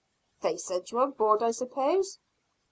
"They sent you on board, I suppose?"